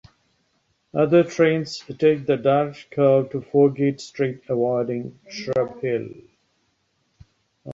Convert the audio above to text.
Other trains take the direct curve to Foregate Street avoiding Shrub Hill.